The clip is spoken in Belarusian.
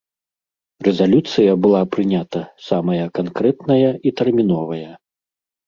Рэзалюцыя была прынята самая канкрэтная і тэрміновая.